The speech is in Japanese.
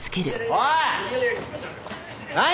おい！